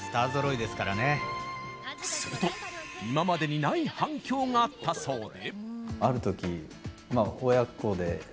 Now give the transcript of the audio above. すると、今までにない反響があったそうで。